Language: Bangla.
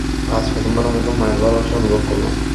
আজ প্রথমবারের মতো মায়ের ভালোবাসা অনুভব করলাম।